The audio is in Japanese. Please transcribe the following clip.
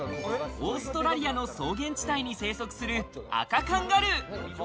オーストラリアの草原地帯に生息するアカカンガルー。